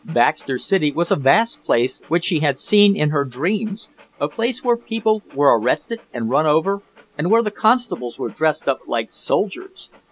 Baxter City was a vast place which she had seen in her dreams, a place where people were arrested and run over and where the constables were dressed up like soldiers.